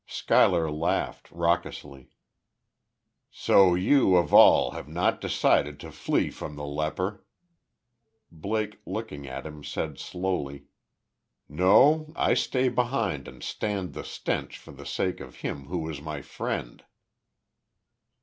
Schuyler laughed, raucously. "So you, of all, have not decided to flee from the leper." Blake, looking at him, said, slowly: "No; I stay behind and stand the stench for the sake of him who was my friend."